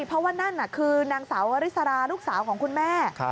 เพราะว่านั่นคือนางสาววริสราลูกสาวของคุณแม่